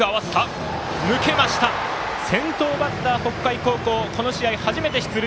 先頭バッター、北海高校この試合、初めて出塁。